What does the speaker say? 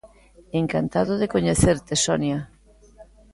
Encantado de coñecerte, Sonia!